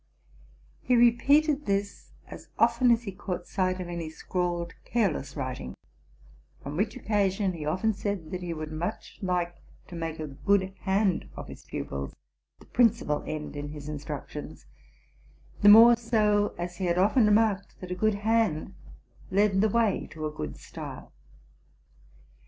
He repeated this as often as he caught sight of any scrawled, careless writing, on which occasion he often said that he would much like to make a good hand of his pupils the principal end in his instructions; the more so as he had often remarked that a good hand led the way to a good style.